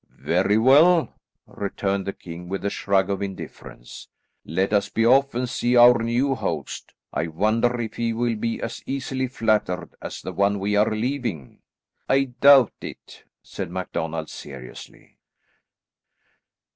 "Very well," returned the king with a shrug of indifference, "let us be off and see our new host. I wonder if he will be as easily flattered as the one we are leaving." "I doubt it," said MacDonald seriously.